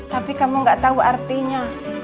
tapi kamu gak tahu artinya